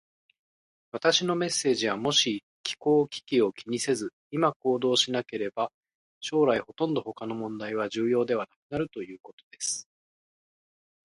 私のメッセージは、もし気候危機を気にせず、今行動しなければ、将来ほとんど他の問題は重要ではなくなるということです。